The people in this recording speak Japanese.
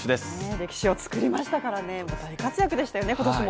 歴史を作りましたからね大活躍でしたよね、今年も。